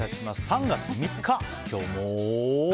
３月３日、今日も。